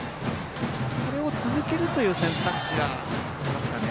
これを続けるという選択肢はありますかね。